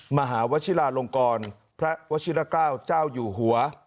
มหาวชิลาลงกรพระวชิระเกล้าเจ้าอยู่หัว